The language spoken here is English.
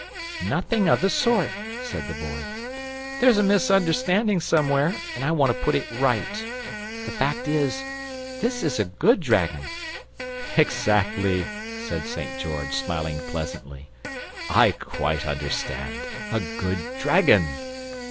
"Nothing of the sort," said the Boy. "There's a misunderstanding somewhere, and I want to put it right. The fact is, this is a GOOD dragon." "Exactly," said St. George, smiling pleasantly, "I quite understand. A good DRAGON.